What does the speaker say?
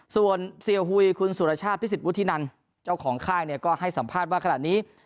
ส่วนเซฮุยคุณสุรชาติพิศิษฐ์วุฒินันทร์เจ้าของค่ายก็ให้สัมภาษณ์ว่าขนาดนี้